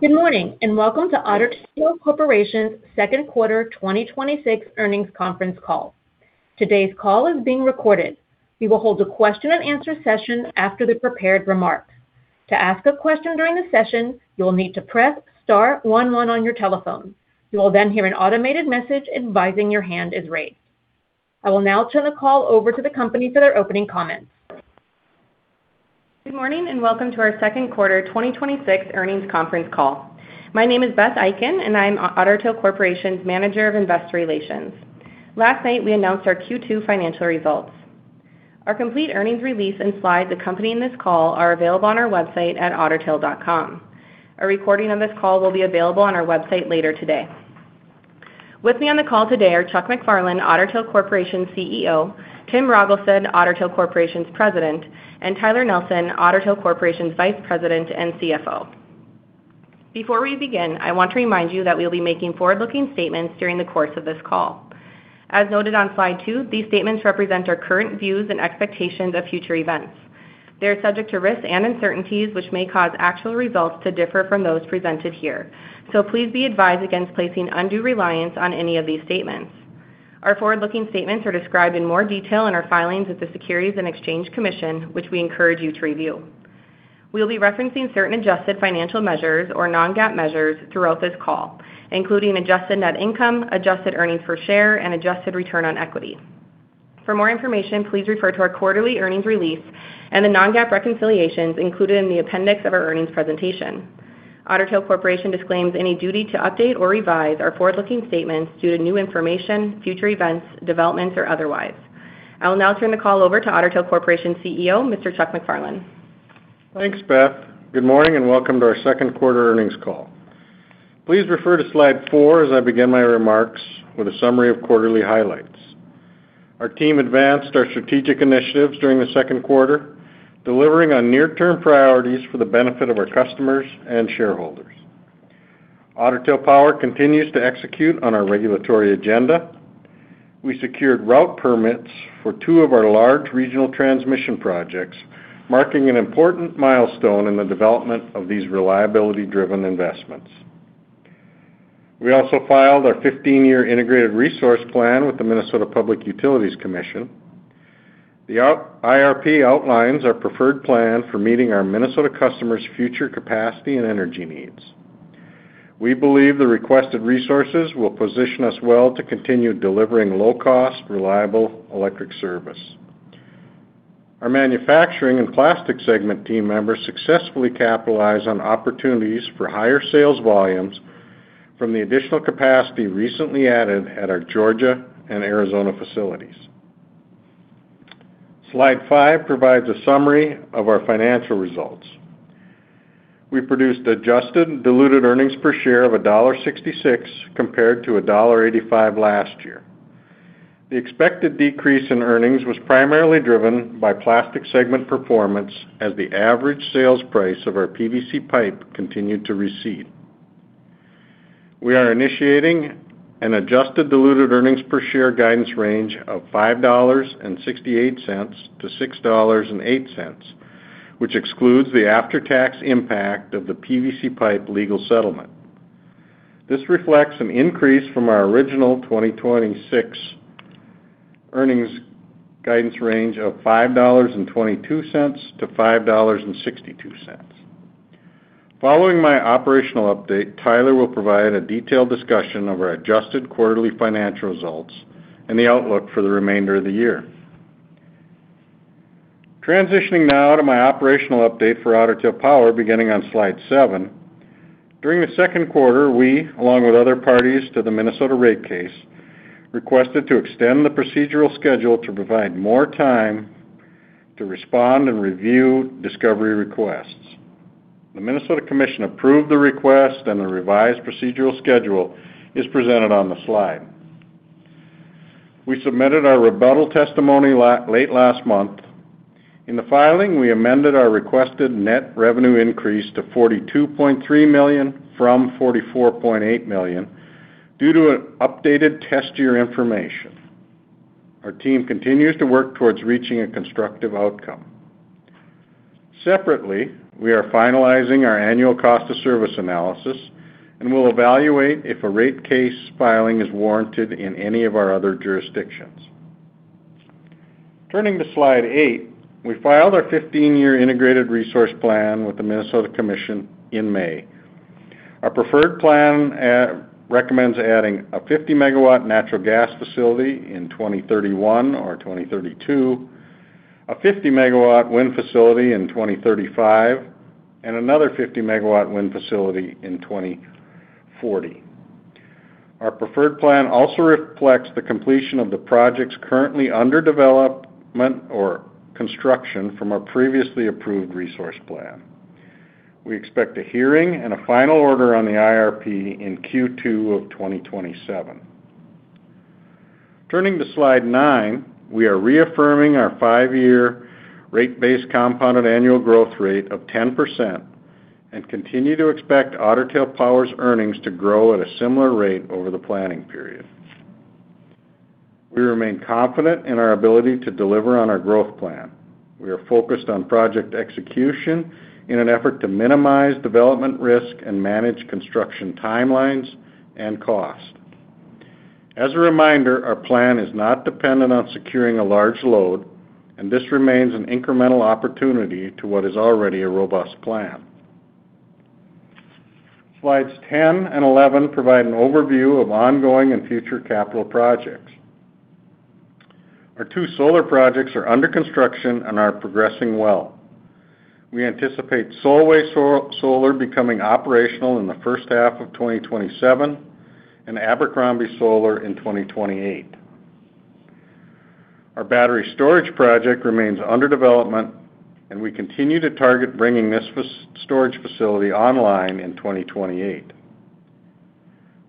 Good morning, welcome to Otter Tail Corporation's second quarter 2026 earnings conference call. Today's call is being recorded. We will hold a question and answer session after the prepared remarks. To ask a question during the session, you will need to press star one one on your telephone. You will then hear an automated message advising your hand is raised. I will now turn the call over to the company for their opening comments. Good morning, welcome to our second quarter 2026 earnings conference call. My name is Beth Eakin, and I'm Otter Tail Corporation's Manager of Investor Relations. Last night, we announced our Q2 financial results. Our complete earnings release and slides accompanying this call are available on our website at ottertail.com. A recording of this call will be available on our website later today. With me on the call today are Chuck MacFarlane, Otter Tail Corporation's Chief Executive Officer, Tim Rogelstad, Otter Tail Corporation's President, and Tyler Nelson, Otter Tail Corporation's Vice President and Chief Financial Officer. Before we begin, I want to remind you that we'll be making forward-looking statements during the course of this call. As noted on slide two, these statements represent our current views and expectations of future events. They're subject to risks and uncertainties, which may cause actual results to differ from those presented here. Please be advised against placing undue reliance on any of these statements. Our forward-looking statements are described in more detail in our filings with the Securities and Exchange Commission, which we encourage you to review. We'll be referencing certain adjusted financial measures or Non-GAAP measures throughout this call, including adjusted net income, adjusted earnings per share, and adjusted return on equity. For more information, please refer to our quarterly earnings release and the Non-GAAP reconciliations included in the appendix of our earnings presentation. Otter Tail Corporation disclaims any duty to update or revise our forward-looking statements due to new information, future events, developments, or otherwise. I will now turn the call over to Otter Tail Corporation's Chief Executive Officer, Mr. Chuck MacFarlane. Thanks, Beth. Good morning, welcome to our second quarter earnings call. Please refer to slide four as I begin my remarks with a summary of quarterly highlights. Our team advanced our strategic initiatives during the second quarter, delivering on near-term priorities for the benefit of our customers and shareholders. Otter Tail Power continues to execute on our regulatory agenda. We secured route permits for two of our large regional transmission projects, marking an important milestone in the development of these reliability-driven investments. We also filed our 15-year integrated resource plan with the Minnesota Public Utilities Commission. The IRP outlines our preferred plan for meeting our Minnesota customers' future capacity and energy needs. We believe the requested resources will position us well to continue delivering low-cost, reliable electric service. Our manufacturing and plastic segment team members successfully capitalize on opportunities for higher sales volumes from the additional capacity recently added at our Georgia and Arizona facilities. Slide five provides a summary of our financial results. We produced adjusted diluted earnings per share of $1.66 compared to $1.85 last year. The expected decrease in earnings was primarily driven by plastic segment performance as the average sales price of our PVC pipe continued to recede. We are initiating an adjusted diluted earnings per share guidance range of $5.68-$6.08, which excludes the after-tax impact of the PVC pipe legal settlement. This reflects an increase from our original 2026 earnings guidance range of $5.22-$5.62. Following my operational update, Tyler will provide a detailed discussion of our adjusted quarterly financial results and the outlook for the remainder of the year. Transitioning now to my operational update for Otter Tail Power, beginning on slide seven. During the second quarter, we, along with other parties to the Minnesota rate case, requested to extend the procedural schedule to provide more time to respond and review discovery requests. The Minnesota Commission approved the request, and the revised procedural schedule is presented on the slide. We submitted our rebuttal testimony late last month. In the filing, we amended our requested net revenue increase to $42.3 million from $44.8 million due to updated test year information. Our team continues to work towards reaching a constructive outcome. Separately, we are finalizing our annual cost of service analysis and will evaluate if a rate case filing is warranted in any of our other jurisdictions. Turning to slide eight, we filed our 15-year integrated resource plan with the Minnesota Commission in May. Our preferred plan recommends adding a 50-MW natural gas facility in 2031 or 2032, a 50-MW wind facility in 2035, and another 50-MW wind facility in 2040. Our preferred plan also reflects the completion of the projects currently under development or construction from our previously approved resource plan. We expect a hearing and a final order on the IRP in Q2 of 2027. Turning to slide nine, we are reaffirming our five-year rate base compounded annual growth rate of 10% and continue to expect Otter Tail Power's earnings to grow at a similar rate over the planning period. We remain confident in our ability to deliver on our growth plan. We are focused on project execution in an effort to minimize development risk and manage construction timelines and cost. As a reminder, our plan is not dependent on securing a large load, and this remains an incremental opportunity to what is already a robust plan. Slides 10 and 11 provide an overview of ongoing and future capital projects. Our two solar projects are under construction and are progressing well. We anticipate Solway Solar becoming operational in the first half of 2027 and Abercrombie Solar in 2028. Our battery storage project remains under development, and we continue to target bringing this storage facility online in 2028.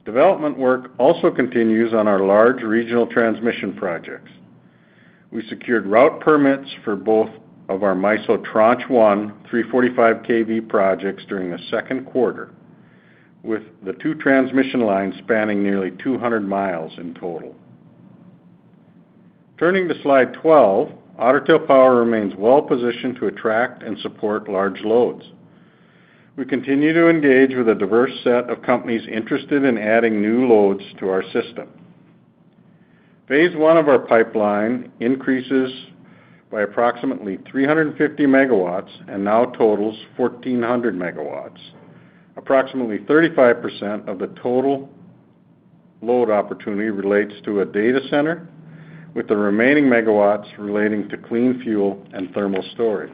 Development work also continues on our large regional transmission projects. We secured route permits for both of our MISO Tranche 1 345 kV projects during the second quarter, with the two transmission lines spanning nearly 200 miles in total. Turning to slide 12, Otter Tail Power remains well-positioned to attract and support large loads. We continue to engage with a diverse set of companies interested in adding new loads to our system. Phase 1 of our pipeline increases by approximately 350 MW and now totals 1,400 MW. Approximately 35% of the total load opportunity relates to a data center, with the remaining megawatts relating to clean fuel and thermal storage.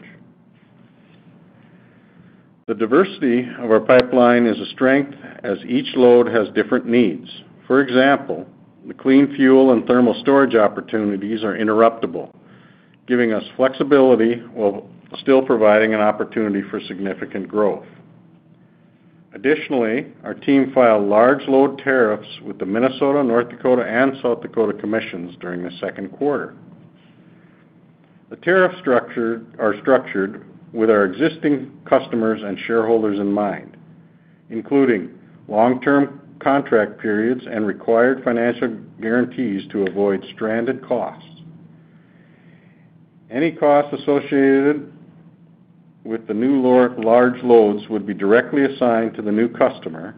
The diversity of our pipeline is a strength as each load has different needs. For example, the clean fuel and thermal storage opportunities are interruptible, giving us flexibility while still providing an opportunity for significant growth. Additionally, our team filed large load tariffs with the Minnesota, North Dakota, and South Dakota Commissions during the second quarter. The tariff are structured with our existing customers and shareholders in mind, including long-term contract periods and required financial guarantees to avoid stranded costs. Any costs associated with the new large loads would be directly assigned to the new customer,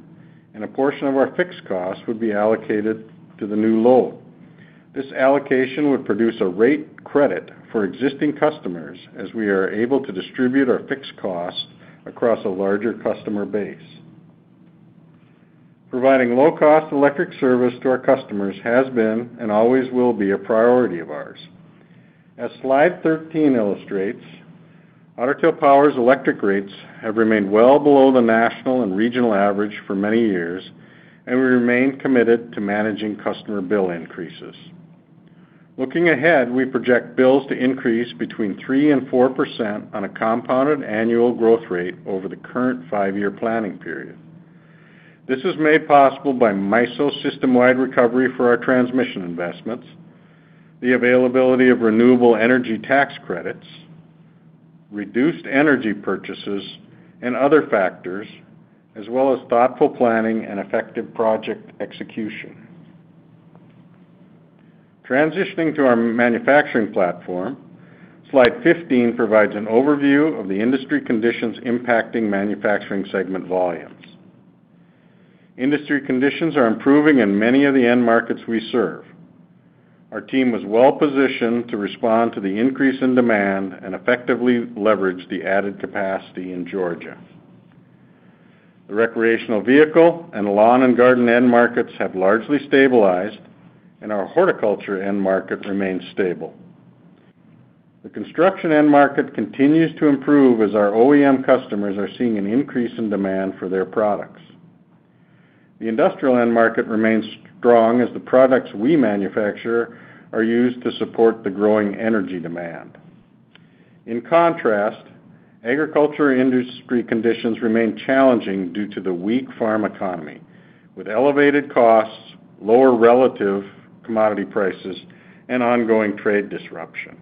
and a portion of our fixed costs would be allocated to the new load. This allocation would produce a rate credit for existing customers as we are able to distribute our fixed costs across a larger customer base. Providing low-cost electric service to our customers has been and always will be a priority of ours. As slide 13 illustrates, Otter Tail Power's electric rates have remained well below the national and regional average for many years, and we remain committed to managing customer bill increases. Looking ahead, we project bills to increase between 3%-4% on a compounded annual growth rate over the current five-year planning period. This is made possible by MISO system-wide recovery for our transmission investments, the availability of renewable energy tax credits, reduced energy purchases, and other factors, as well as thoughtful planning and effective project execution. Transitioning to our manufacturing platform, slide 15 provides an overview of the industry conditions impacting manufacturing segment volumes. Industry conditions are improving in many of the end markets we serve. Our team was well-positioned to respond to the increase in demand and effectively leverage the added capacity in Georgia. The recreational vehicle and lawn and garden end markets have largely stabilized, and our horticulture end market remains stable. The construction end market continues to improve as our OEM customers are seeing an increase in demand for their products. The industrial end market remains strong as the products we manufacture are used to support the growing energy demand. In contrast, agriculture industry conditions remain challenging due to the weak farm economy, with elevated costs, lower relative commodity prices, and ongoing trade disruption.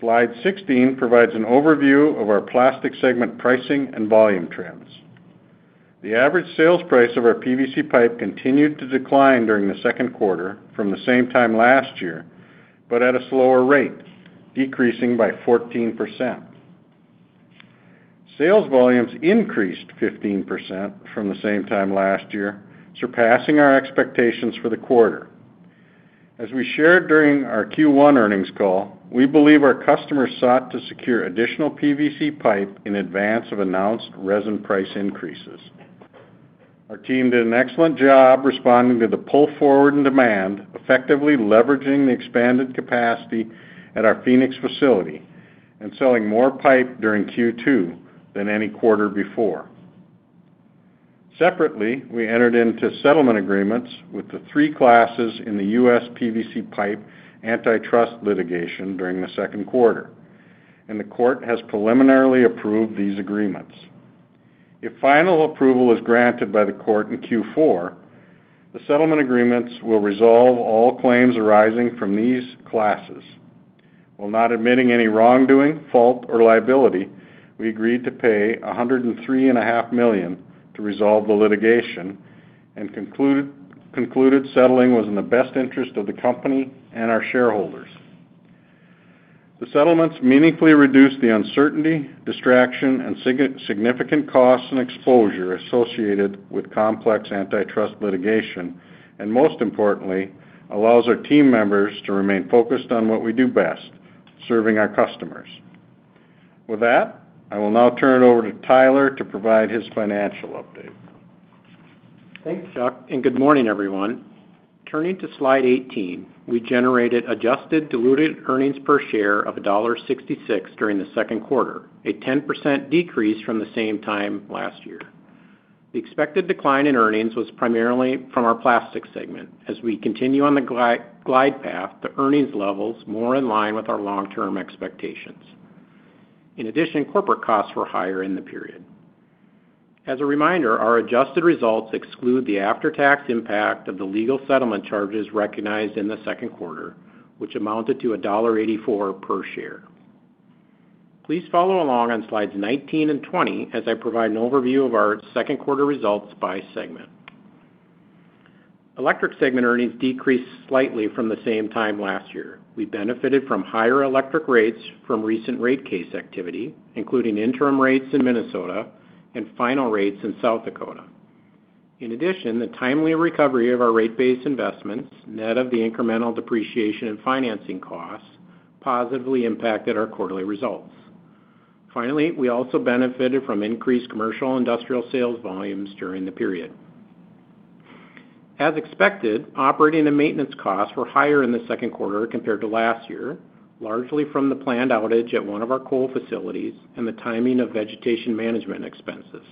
Slide 16 provides an overview of our plastic segment pricing and volume trends. The average sales price of our PVC pipe continued to decline during the second quarter from the same time last year, but at a slower rate, decreasing by 14%. Sales volumes increased 15% from the same time last year, surpassing our expectations for the quarter. As we shared during our Q1 earnings call, we believe our customers sought to secure additional PVC pipe in advance of announced resin price increases. Our team did an excellent job responding to the pull forward in demand, effectively leveraging the expanded capacity at our Phoenix facility and selling more pipe during Q2 than any quarter before. Separately, we entered into settlement agreements with the three classes in the U.S. PVC pipe antitrust litigation during the second quarter, and the court has preliminarily approved these agreements. If final approval is granted by the court in Q4, the settlement agreements will resolve all claims arising from these classes. While not admitting any wrongdoing, fault, or liability, we agreed to pay $103.5 million to resolve the litigation and concluded settling was in the best interest of the company and our shareholders. The settlements meaningfully reduced the uncertainty, distraction, and significant costs and exposure associated with complex antitrust litigation, and most importantly, allows our team members to remain focused on what we do best, serving our customers. With that, I will now turn it over to Tyler to provide his financial update. Thanks, Chuck, and good morning, everyone. Turning to slide 18, we generated adjusted diluted earnings per share of $1.66 during the second quarter, a 10% decrease from the same time last year. The expected decline in earnings was primarily from our plastics segment, as we continue on the glide path to earnings levels more in line with our long-term expectations. In addition, corporate costs were higher in the period. As a reminder, our adjusted results exclude the after-tax impact of the legal settlement charges recognized in the second quarter, which amounted to $1.84 per share. Please follow along on slide 19 and slide 20 as I provide an overview of our second quarter results by segment. Electric segment earnings decreased slightly from the same time last year. We benefited from higher electric rates from recent rate case activity, including interim rates in Minnesota and final rates in South Dakota. In addition, the timely recovery of our rate-based investments, net of the incremental depreciation in financing costs, positively impacted our quarterly results. Finally, we also benefited from increased commercial industrial sales volumes during the period. As expected, operating and maintenance costs were higher in the second quarter compared to last year, largely from the planned outage at one of our coal facilities and the timing of vegetation management expenses.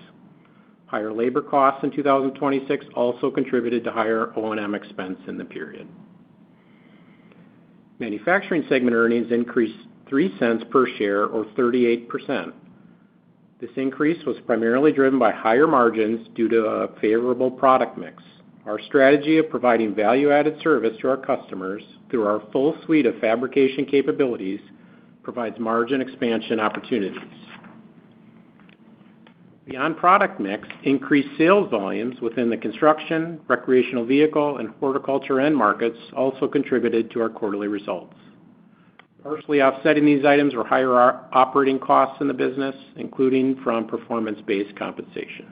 Higher labor costs in 2026 also contributed to higher O&M expense in the period. Manufacturing segment earnings increased $0.03 per share or 38%. This increase was primarily driven by higher margins due to a favorable product mix. Our strategy of providing value-added service to our customers through our full suite of fabrication capabilities provides margin expansion opportunities. Beyond product mix, increased sales volumes within the construction, recreational vehicle, and horticulture end markets also contributed to our quarterly results. Partially offsetting these items were higher operating costs in the business, including from performance-based compensation.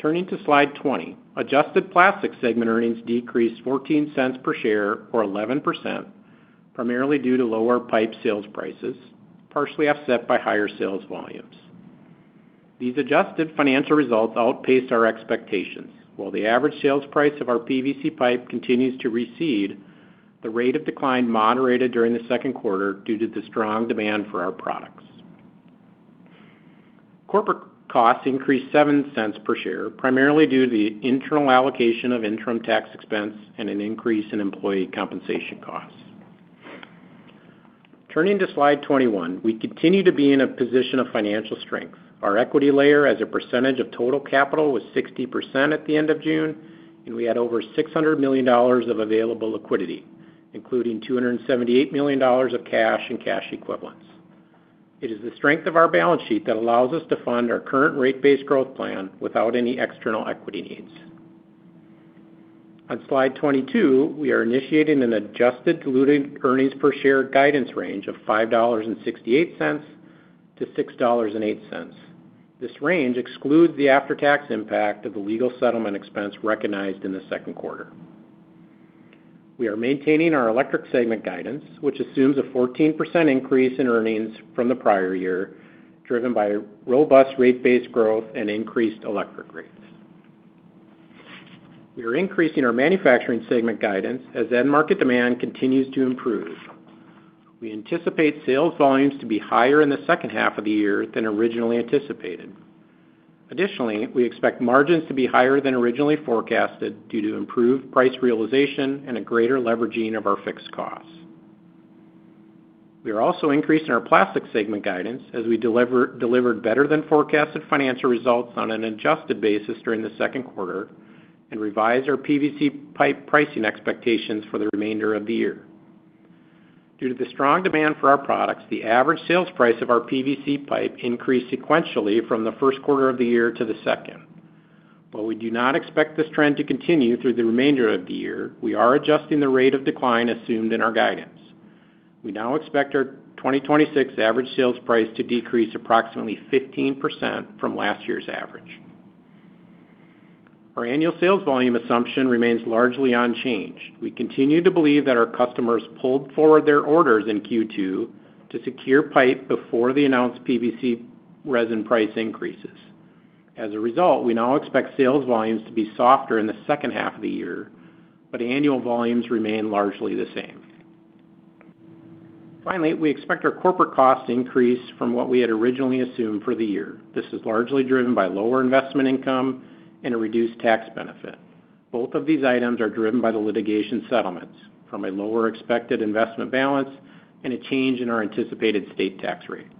Turning to slide 20, adjusted plastic segment earnings decreased $0.14 per share or 11%, primarily due to lower pipe sales prices, partially offset by higher sales volumes. These adjusted financial results outpaced our expectations. While the average sales price of our PVC pipe continues to recede, the rate of decline moderated during the second quarter due to the strong demand for our products. Corporate costs increased $0.07 per share, primarily due to the internal allocation of interim tax expense and an increase in employee compensation costs. Turning to slide 21, we continue to be in a position of financial strength. Our equity layer as a percentage of total capital was 60% at the end of June, and we had over $600 million of available liquidity, including $278 million of cash in cash equivalents. It is the strength of our balance sheet that allows us to fund our current rate-based growth plan without any external equity needs. On slide 22, we are initiating an adjusted diluted earnings per share guidance range of $5.68-$6.08. This range excludes the after-tax impact of the legal settlement expense recognized in the second quarter. We are maintaining our electric segment guidance, which assumes a 14% increase in earnings from the prior year, driven by robust rate-based growth and increased electric rates. We are increasing our manufacturing segment guidance as end market demand continues to improve. We anticipate sales volumes to be higher in the second half of the year than originally anticipated. Additionally, we expect margins to be higher than originally forecasted due to improved price realization and a greater leveraging of our fixed costs. We are also increasing our plastics segment guidance as we delivered better-than-forecasted financial results on an adjusted basis during the second quarter and revised our PVC pipe pricing expectations for the remainder of the year. Due to the strong demand for our products, the average sales price of our PVC pipe increased sequentially from the first quarter of the year to the second. While we do not expect this trend to continue through the remainder of the year, we are adjusting the rate of decline assumed in our guidance. We now expect our 2026 average sales price to decrease approximately 15% from last year's average. Our annual sales volume assumption remains largely unchanged. We continue to believe that our customers pulled forward their orders in Q2 to secure pipe before the announced PVC resin price increases. As a result, we now expect sales volumes to be softer in the second half of the year, but annual volumes remain largely the same. Finally, we expect our corporate costs to increase from what we had originally assumed for the year. This is largely driven by lower investment income and a reduced tax benefit. Both of these items are driven by the litigation settlements from a lower expected investment balance and a change in our anticipated state tax rate.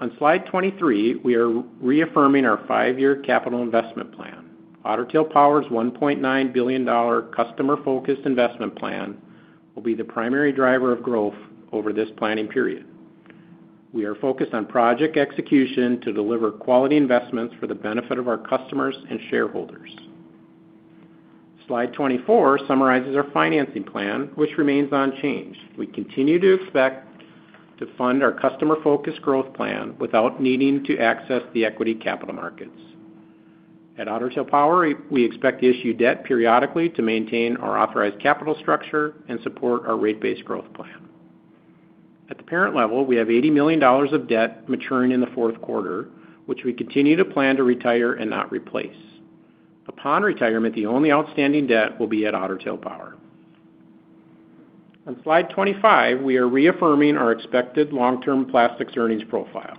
On slide 23, we are reaffirming our five-year capital investment plan. Otter Tail Power's $1.9 billion customer-focused investment plan will be the primary driver of growth over this planning period. We are focused on project execution to deliver quality investments for the benefit of our customers and shareholders. Slide 24 summarizes our financing plan, which remains unchanged. We continue to expect to fund our customer-focused growth plan without needing to access the equity capital markets. At Otter Tail Power, we expect to issue debt periodically to maintain our authorized capital structure and support our rate-based growth plan. At the parent level, we have $80 million of debt maturing in the fourth quarter, which we continue to plan to retire and not replace. Upon retirement, the only outstanding debt will be at Otter Tail Power. On slide 25, we are reaffirming our expected long-term plastics earnings profile.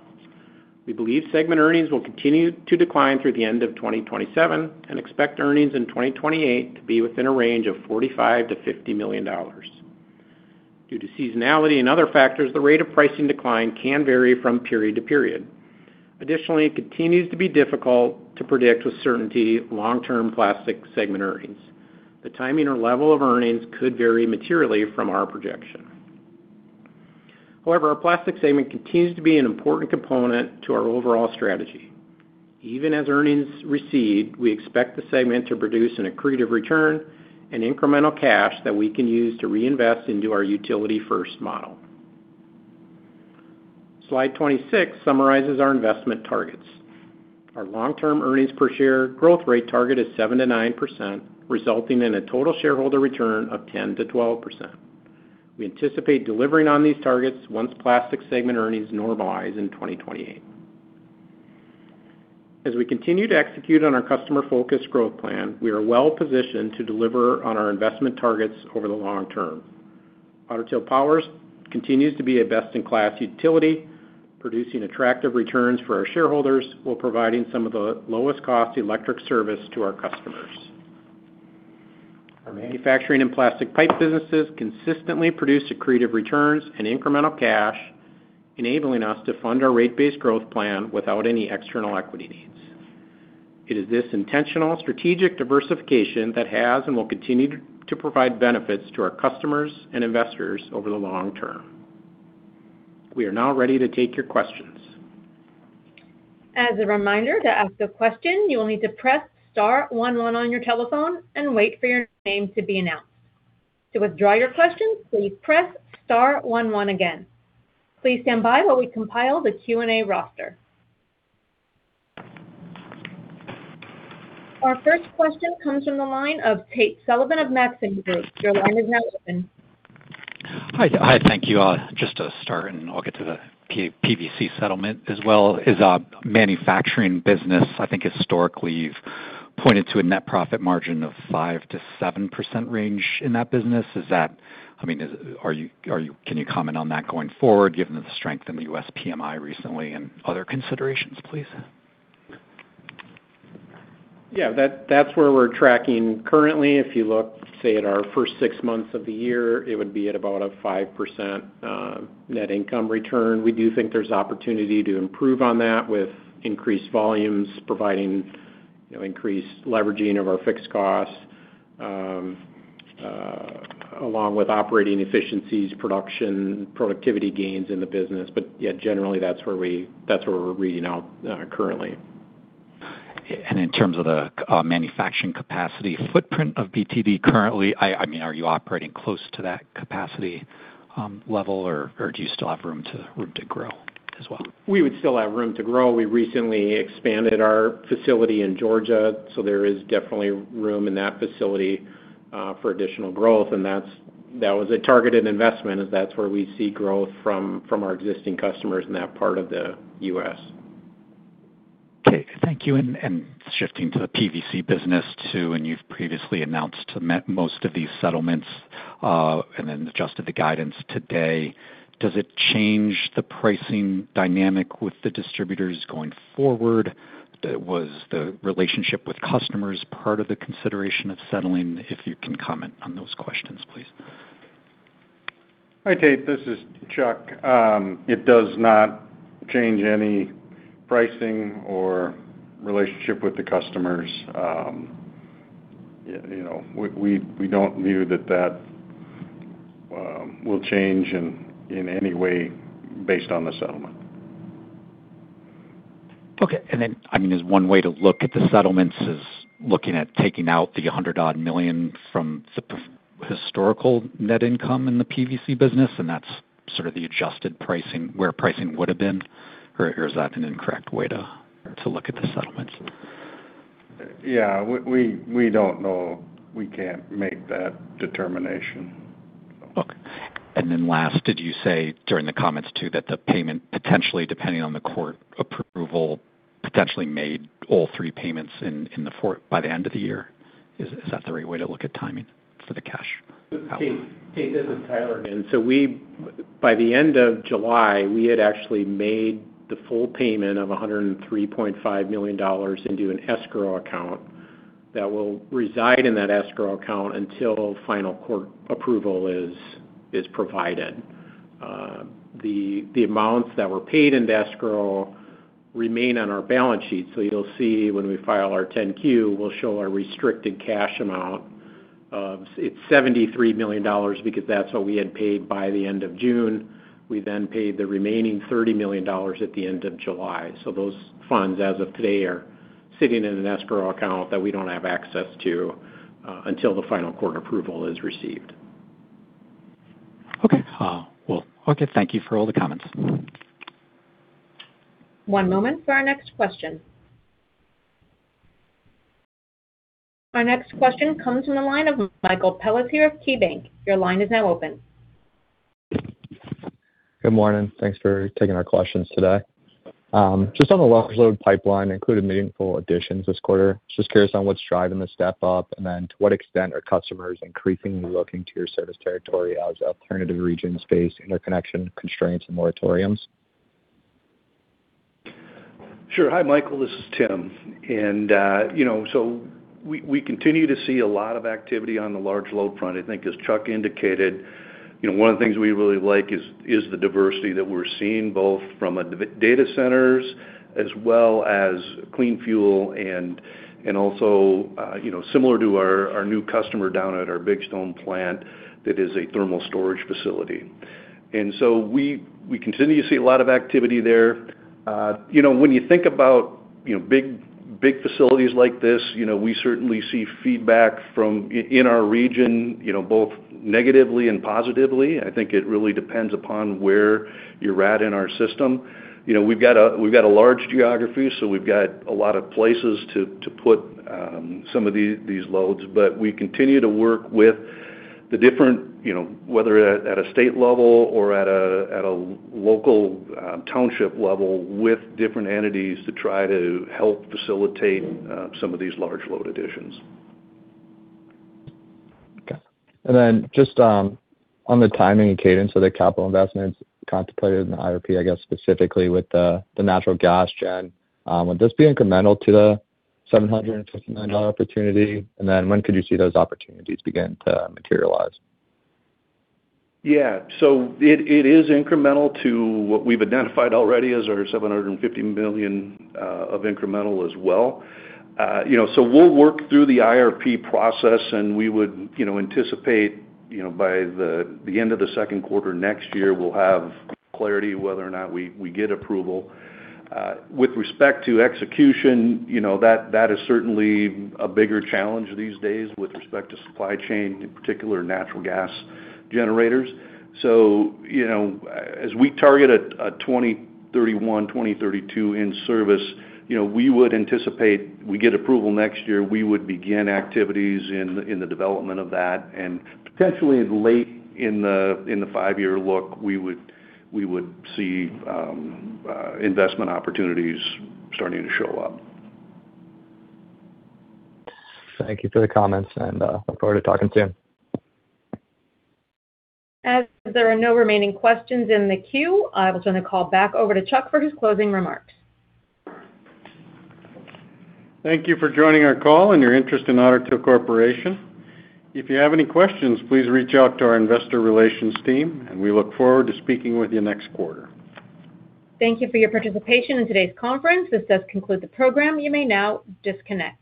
We believe segment earnings will continue to decline through the end of 2027 and expect earnings in 2028 to be within a range of $45 million-$50 million. Due to seasonality and other factors, the rate of pricing decline can vary from period to period. Additionally, it continues to be difficult to predict with certainty long-term plastics segment earnings. The timing or level of earnings could vary materially from our projection. However, our Plastics segment continues to be an important component to our overall strategy. Even as earnings recede, we expect the segment to produce an accretive return and incremental cash that we can use to reinvest into our utility-first model. Slide 26 summarizes our investment targets. Our long-term earnings per share growth rate target is 7%-9%, resulting in a total shareholder return of 10%-12%. We anticipate delivering on these targets once Plastics segment earnings normalize in 2028. As we continue to execute on our customer-focused growth plan, we are well-positioned to deliver on our investment targets over the long term. Otter Tail Power Company continues to be a best-in-class utility, producing attractive returns for our shareholders while providing some of the lowest-cost electric service to our customers. Our manufacturing and PVC pipe businesses consistently produce accretive returns and incremental cash, enabling us to fund our rate-based growth plan without any external equity needs. It is this intentional strategic diversification that has and will continue to provide benefits to our customers and investors over the long term. We are now ready to take your questions. As a reminder, to ask a question, you will need to press star one one on your telephone and wait for your name to be announced. To withdraw your question, please press star one one again. Please stand by while we compile the question-and-answer roster. Our first question comes from the line of Tate Sullivan of Maxim Group. Your line is now open. Hi. Thank you. Just to start, I'll get to the PVC settlement as well as manufacturing business. I think historically, you've pointed to a net profit margin of 5%-7% range in that business. Can you comment on that going forward, given the strength in the U.S. PMI recently and other considerations, please? Yeah, that's where we're tracking currently. If you look, say, at our first six months of the year, it would be at about a 5% net income return. We do think there's opportunity to improve on that with increased volumes providing increased leveraging of our fixed costs, along with operating efficiencies, production, productivity gains in the business. Yeah, generally, that's where we're reading out currently. In terms of the manufacturing capacity footprint of BTD currently, are you operating close to that capacity level or do you still have room to grow as well? We would still have room to grow. We recently expanded our facility in Georgia, there is definitely room in that facility for additional growth. That was a targeted investment, as that's where we see growth from our existing customers in that part of the U.S. Okay. Thank you. Shifting to the PVC business, too, and you've previously announced most of these settlements and then adjusted the guidance today. Does it change the pricing dynamic with the distributors going forward? Was the relationship with customers part of the consideration of settling? If you can comment on those questions, please. Hi, Tate. This is Chuck. It does not change any pricing or relationship with the customers. We don't view that will change in any way based on the settlement. Okay. Is one way to look at the settlements is looking at taking out the $100-odd million from historical net income in the PVC business, and that's sort of the adjusted pricing, where pricing would have been? Is that an incorrect way to look at the settlements? Yeah. We don't know. We can't make that determination. Okay. Last, did you say during the comments, too, that the payment potentially, depending on the court approval, potentially made all three payments by the end of the year? Is that the right way to look at timing for the cash? Tate, this is Tyler again. By the end of July, we had actually made the full payment of $103.5 million into an escrow account. That will reside in that escrow account until final court approval is provided. The amounts that were paid into escrow remain on our balance sheet. You'll see when we file our 10-Q, we'll show our restricted cash amount of $73 million because that's what we had paid by the end of June. We paid the remaining $30 million at the end of July. Those funds, as of today, are sitting in an escrow account that we don't have access to until the final court approval is received. Okay. Well, okay. Thank you for all the comments. One moment for our next question. My next question comes from the line of Michael Pelletier of KeyBanc Capital Markets. Your line is now open. Good morning. Thanks for taking our questions today. On the workload pipeline, including meaningful additions this quarter, curious on what's driving the step-up, and to what extent are customers increasingly looking to your service territory as alternative regions face interconnection constraints and moratoriums? Sure. Hi, Michael. This is Tim. We continue to see a lot of activity on the large load front. I think as Chuck indicated, one of the things we really like is the diversity that we're seeing, both from data centers as well as clean fuel and also similar to our new customer down at our Big Stone plant that is a thermal storage facility. We continue to see a lot of activity there. When you think about big facilities like this, we certainly see feedback in our region, both negatively and positively. I think it really depends upon where you're at in our system. We've got a large geography, so we've got a lot of places to put some of these loads. We continue to work with the different, whether at a state level or at a local township level, with different entities to try to help facilitate some of these large load additions. Okay. Just on the timing and cadence of the capital investments contemplated in the IRP, I guess specifically with the natural gas gen, would this be incremental to the $750 million opportunity? When could you see those opportunities begin to materialize? Yeah. It is incremental to what we've identified already as our $750 million of incremental as well. We'll work through the IRP process, and we would anticipate by the end of the second quarter next year, we'll have clarity whether or not we get approval. With respect to execution, that is certainly a bigger challenge these days with respect to supply chain, in particular, natural gas generators. As we target a 2031, 2032 in-service, we would anticipate we get approval next year, we would begin activities in the development of that. Potentially late in the five-year look, we would see investment opportunities starting to show up. Thank you for the comments, and look forward to talking soon. As there are no remaining questions in the queue, I will turn the call back over to Chuck for his closing remarks. Thank you for joining our call and your interest in Otter Tail Corporation. If you have any questions, please reach out to our investor relations team, and we look forward to speaking with you next quarter. Thank you for your participation in today's conference. This does conclude the program. You may now disconnect.